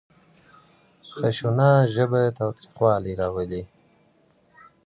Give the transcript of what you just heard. خشنه ژبه تاوتريخوالی راولي.